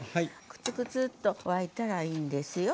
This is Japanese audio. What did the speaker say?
くつくつっと沸いたらいいんですよ。